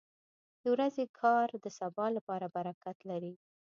• د ورځې کار د سبا لپاره برکت لري.